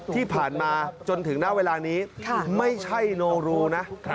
ที่ผ่านมาจนถึงหน้าเวลานี้ไม่ใช่โนรูนะ